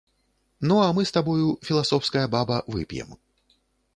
Ну, а мы з табою, філасофская баба, вып'ем!